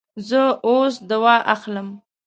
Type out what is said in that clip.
زه اوس دوا اخلم